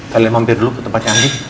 kalian mampir dulu ke tempatnya andin